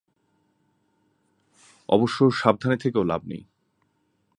অবশ্য, সাবধানে থেকেও লাভ নেই!